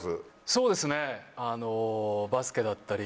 そうですね。